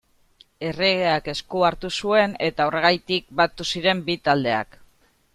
Erregeak esku hartu zuen, eta horregatik batu ziren bi taldeak.